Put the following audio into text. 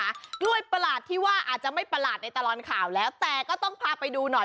ด้วยประหลาดที่ว่าอาจจะไม่ประหลาดในตลอดข่าวแล้วแต่ก็ต้องพาไปดูหน่อย